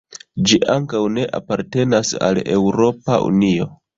Ĝi ankaŭ ne apartenas al Eŭropa Unio.